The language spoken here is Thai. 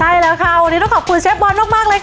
ใช่แล้วค่ะวันนี้ต้องขอบคุณเชฟบอลมากเลยค่ะ